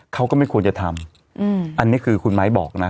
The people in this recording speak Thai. เขาก็ไม่ควรจะทำอันนี้คือคุณไม้บอกนะ